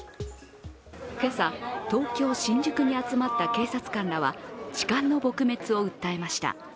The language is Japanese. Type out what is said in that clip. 今朝、東京・新宿に集まった警察官らは、痴漢の撲滅を訴えました。